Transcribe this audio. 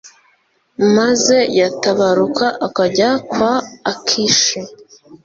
maze yatabaruka akajya kwa akishi